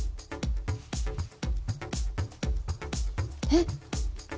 えっ！